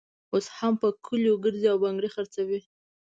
اوس هم په کلیو ګرزي او بنګړي خرڅوي.